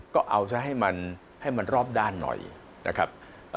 ก็เอาเสนะให้มันรอบด้านหน่อยนะครับ